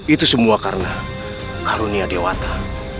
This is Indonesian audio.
itu semua karena karunia dewa tak